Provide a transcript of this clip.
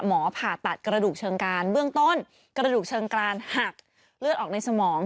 ผ่าตัดกระดูกเชิงการเบื้องต้นกระดูกเชิงกรานหักเลือดออกในสมอง